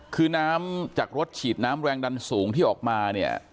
คือน้ำจากรถฉีดน้ำแรงดันสูงที่ออกมาเนี่ย